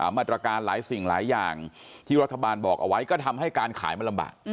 มาตรการหลายสิ่งหลายอย่างที่รัฐบาลบอกเอาไว้ก็ทำให้การขายมันลำบาก